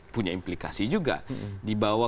punya implikasi juga dibawa